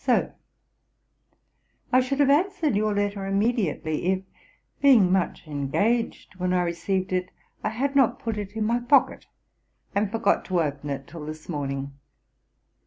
SIR, I should have answered your letter immediately, if, (being much engaged when I received it) I had not put it in my pocket, and forgot to open it till this morning.